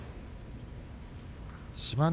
志摩ノ